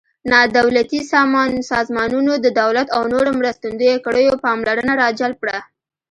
نا دولتي سازمانونو د دولت او نورو مرستندویه کړیو پاملرنه را جلب کړه.